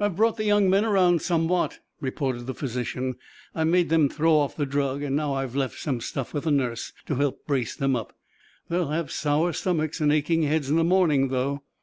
"I've brought the young men around somewhat," reported the physician. "I've made them throw off the drug, and now I've left some stuff with the nurse to help brace them up. They'll have sour stomachs and aching heads in the morning, though."